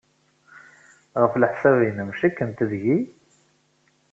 Ɣef leḥsab-nnem, cikkent deg-i?